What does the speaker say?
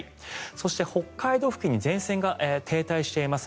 そして、北海道付近に前線が停滞しています。